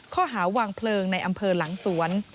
ข้อหาวางเพลิงในอำเภอหลังสวน